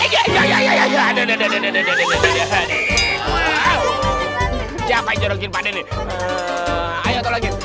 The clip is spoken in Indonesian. saya mau liat wee